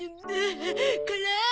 辛い。